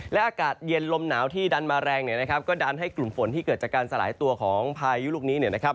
และอากาศเย็นลมหนาวที่ดันมาแรงเนี่ยนะครับก็ดันให้กลุ่มฝนที่เกิดจากการสลายตัวของพายุลูกนี้เนี่ยนะครับ